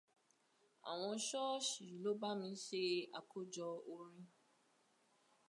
Àwọn ṣọ́ọ̀ṣì ló bá mi ṣe àkójọ orin.